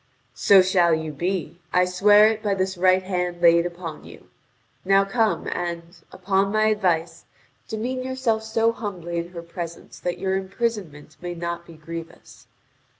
"So shall you be: I swear it by this right hand laid upon you!. Now come and, upon my advice, demean yourself so humbly in her presence that your imprisonment may not be grievous.